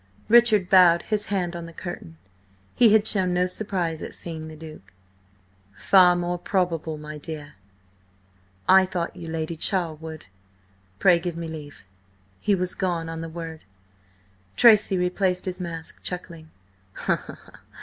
Richard bowed, his hand on the curtain. He had shown no surprise at seeing the Duke. "Far more probable, my dear. I thought you Lady Charlwood! Pray give me leave." He was gone on the word. Tracy replaced his mask, chuckling.